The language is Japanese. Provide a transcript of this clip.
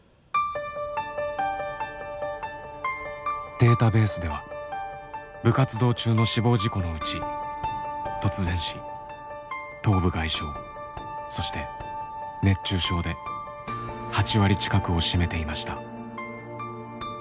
データベースでは部活動中の死亡事故のうち突然死頭部外傷そして熱中症で８割近くを占めていました。